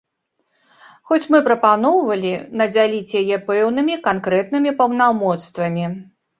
Хоць мы прапаноўвалі надзяліць яе пэўнымі, канкрэтнымі паўнамоцтвамі.